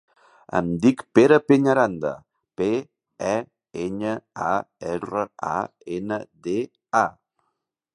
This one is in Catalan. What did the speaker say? Em dic Pere Peñaranda: pe, e, enya, a, erra, a, ena, de, a.